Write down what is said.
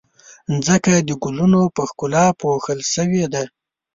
ځمکه د ګلونو په ښکلا پوښل شوې ده.